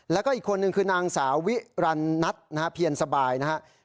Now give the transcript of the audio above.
แล้วก็อีกคนนึงคือนางสาวิรันนัทนะฮะเพียรสบายนะครับ